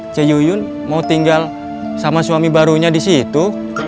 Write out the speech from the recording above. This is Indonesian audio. che yuyun mau tinggal sama suami barunya di situ